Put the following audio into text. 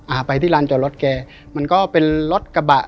อ่าไปที่ร้านจอดรถแกมันก็เป็นรถกระบะ